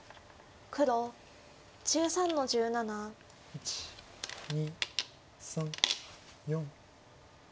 １２３４。